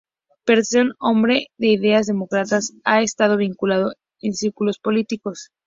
Peterson, hombre de ideas demócratas, ha estado vinculado en círculos políticos.